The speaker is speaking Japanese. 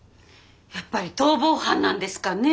やっぱり逃亡犯なんですかね。